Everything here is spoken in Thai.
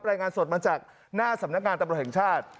รายงานสดมาจากหน้าสำนักงานตำรวจแห่งชาติ